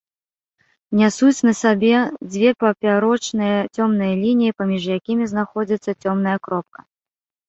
Нясуць на сабе дзве папярочныя цёмныя лініі, паміж якімі знаходзіцца цёмная кропка.